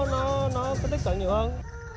nó nó có tích cực nhiều hơn